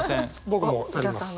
僕もあります。